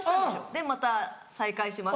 でまた再開します